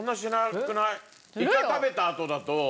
イカ食べたあとだと。